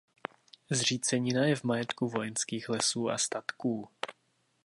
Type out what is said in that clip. Zřícenina je v majetku Vojenských lesů a statků.